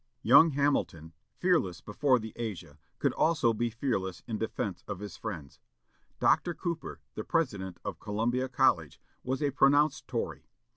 Young Hamilton, fearless before the Asia, could also be fearless in defence of his friends. Dr. Cooper, the President of Columbia College, was a pronounced Tory.